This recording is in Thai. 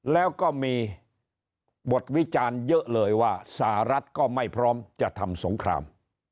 แล้วก็มีบทวิจารณ์เยอะเลยว่าสหรัฐก็ไม่พร้อมจะทำสงคราม